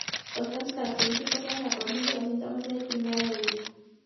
Los casos característicos tienen aparición de los síntomas el primer año de vida.